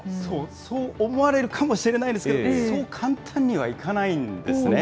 そう思われるかもしれないんですけど、そう簡単にはいかないんですね。